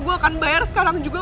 gue akan bayar sekarang juga